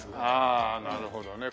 ああなるほどね。